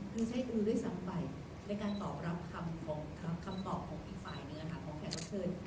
คือใช้คุณด้วยสังไปในการตอบรับคำของอย่างอีกฝ่ายดึงนะคะของแคล็กเกิน